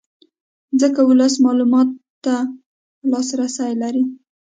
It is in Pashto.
ځکه ولس معلوماتو ته لاسرې لري